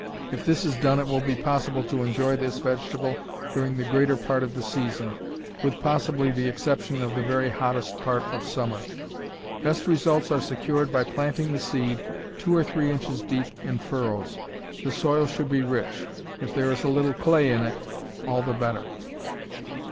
If this is done it will be possible to enjoy this vegetable during the greater part of the season, with possibly the exception of the very hottest part of summer. Best results are secured by planting the seed two or three inches deep in furrows. The soil should be rich. If there is a little clay in it, all the better.